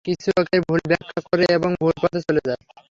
কিছু লোক এর ভুল ব্যাখ্যা করে এবং ভুল পথে চলে যায়।